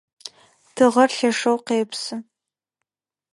Тыгъэр лъэшэу къепсы.